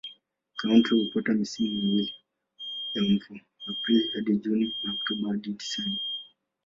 Kaunti hupata misimu miwili ya mvua: Aprili hadi Juni na Oktoba hadi Disemba.